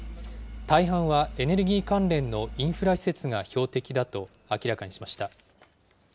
大半はエネルギー関連のインフラ施設が標的だと明らかにしました。